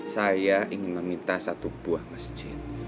saya ingin meminta satu buah masjid